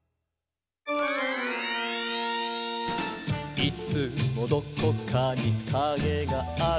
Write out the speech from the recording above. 「いつもどこかにカゲがある」